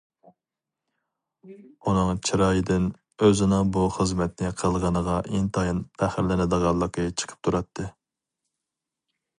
ئۇنىڭ چىرايىدىن ئۆزىنىڭ بۇ خىزمەتنى قىلغىنىغا ئىنتايىن پەخىرلىنىدىغانلىقى چىقىپ تۇراتتى.